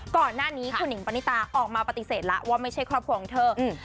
ก่อนหน้านี้คุณหิงปณิตาออกมาปฏิเสธแล้วว่าไม่ใช่ครอบครัวของเธออืม